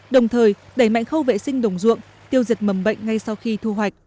đồng thời đẩy mạnh khâu vệ sinh đồng ruộng tiêu diệt mầm bệnh ngay sau khi thu hoạch